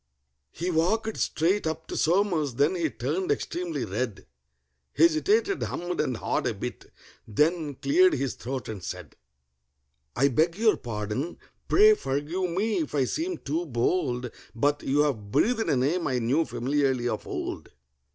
He walked straight up to SOMERS, then he turned extremely red, Hesitated, hummed and hawed a bit, then cleared his throat, and said: "I beg your pardon—pray forgive me if I seem too bold, But you have breathed a name I knew familiarly of old.